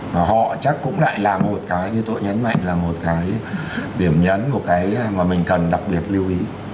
và họ chắc cũng lại là một cái như tôi nhấn mạnh là một cái điểm nhấn một cái mà mình cần đặc biệt lưu ý